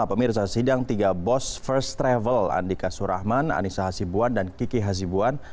pemirsa sidang tiga bos first travel andika surahman anissa hasibuan dan kiki hasibuan